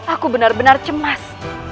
aku benar benar cemas